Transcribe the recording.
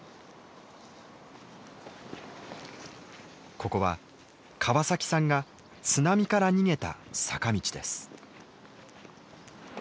ここは川崎さんが津波から逃げた坂道です。